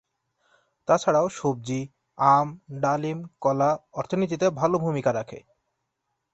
তাছাড়াও সবজি, আম, ডালিম, কলা অর্থনীতিতে ভালো ভুমিকা রাখে।